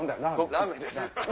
ラーメンです。